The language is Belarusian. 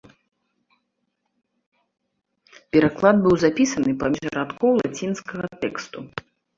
Пераклад быў запісаны паміж радкоў лацінскага тэксту.